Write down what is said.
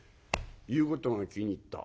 「言うことが気に入った。